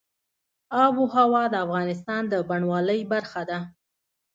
آب وهوا د افغانستان د بڼوالۍ برخه ده.